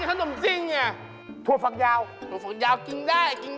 ผมขายให้ดีมากความเป็นสักมึงสิง